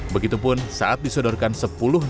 begitupun saat disodorkan sepuluh nama nama